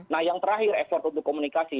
nah yang terakhir effort untuk komunikasi